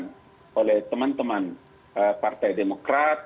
apakah yang dilakukan oleh teman teman partai demokrat